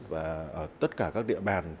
và ở tất cả các địa bàn